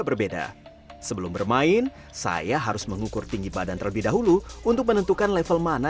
berbeda sebelum bermain saya harus mengukur tinggi badan terlebih dahulu untuk menentukan level mana